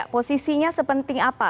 posisinya sepenting apa